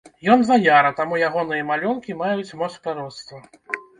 Ён ваяр, а таму ягоныя малюнкі маюць моц прароцтва.